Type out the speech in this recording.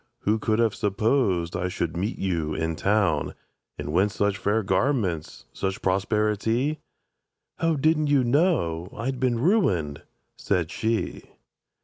Who could have supposed I should meet you in Town? And whence such fair garments, such prosperi ty?"— "O didn't you know I'd been ruined?" said she.